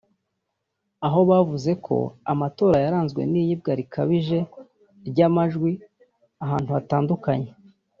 aho bavuze ko amatora yaranzwe n’iyibwa rikabije ry’amajwi ahantu hatandukanye